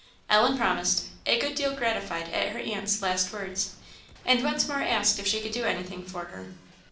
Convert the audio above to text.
Ellen promised, a good deal gratified at her aunt's last words; and once more asked if she could do anything for her.